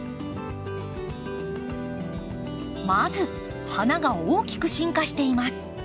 まず花が大きく進化しています。